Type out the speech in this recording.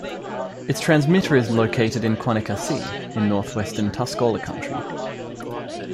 Its transmitter is located in Quanicassee, in northwestern Tuscola County.